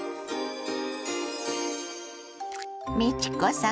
美智子さん